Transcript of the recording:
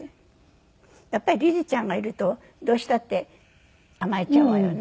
やっぱりリズちゃんがいるとどうしたって甘えちゃうわよね。